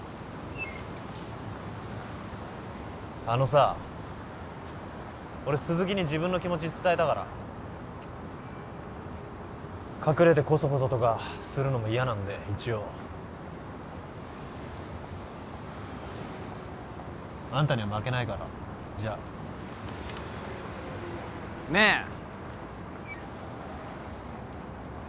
あのさ俺鈴木に自分の気持ち伝えたから隠れてコソコソとかするのも嫌なんで一応あんたには負けないからじゃねえ